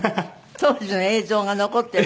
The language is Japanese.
当時の映像が残っているそうです。